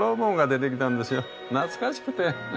懐かしくて。